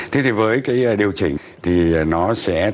thế thì với cái điều chỉnh thì nó sẽ